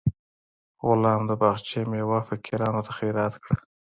غلام د باغچې میوه فقیرانو ته خیرات کړه.